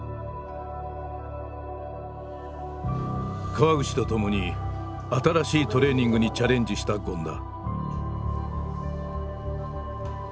河口とともに新しいトレーニングにチャレンジした権田。